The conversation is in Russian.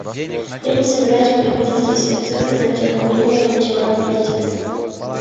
Я не собираюсь приводить здесь все цифры, но тем не менее они весьма убедительны.